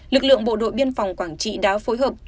lực lượng bộ đội biên phòng quảng trị đã phối hợp